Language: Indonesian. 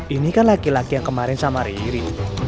ini kan laki laki yang kemarin sama riri